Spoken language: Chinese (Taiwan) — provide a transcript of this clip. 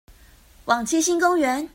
往七星公園